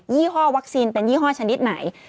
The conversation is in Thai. ี่ห้อวัคซีนเป็นยี่ห้อชนิดไหน